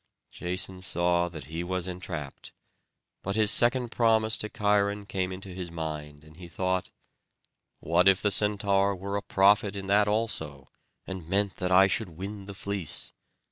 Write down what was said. Jason saw that he was entrapped; but his second promise to Cheiron came into his mind, and he thought, "What if the Centaur were a prophet in that also, and meant that I should win the fleece!"